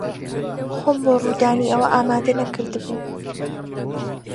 خۆم بۆ ڕوودانی ئەوە ئامادە نەکردبوو.